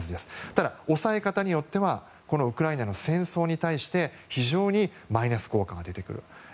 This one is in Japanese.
ただ、抑え方によってはウクライナの戦争に対して非常にマイナス効果が出てくる。